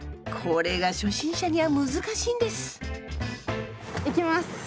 これが初心者には難しいんです。